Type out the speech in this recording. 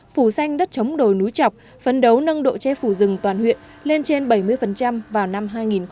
phủ xanh đất chống đồi núi trọc phấn đấu nâng độ che phủ rừng toàn huyện lên trên bảy mươi vào năm hai nghìn hai mươi